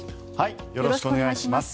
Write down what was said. よろしくお願いします。